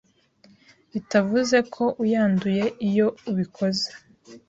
bitavuze ko uyanduye iyo ubikoze